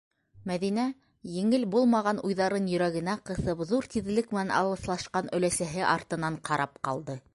Мәҙинә, еңел булмаған уйҙарын йөрәгенә ҡыҫып, ҙур тиҙлек менән алыҫлашҡан өләсәһе артынан ҡарап ҡалды.